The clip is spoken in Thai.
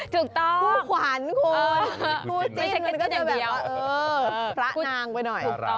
ถูกต้องคู่ขวัญคุณคู่จิ้นก็จะแบบว่าพระนางไปหน่อย